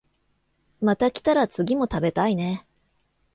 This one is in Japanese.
また来たら次も食べたいね